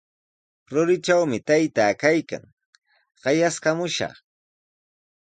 Ruritrawmi taytaa kaykan, qayaskamushaq.